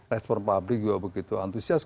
respon publik juga begitu antusias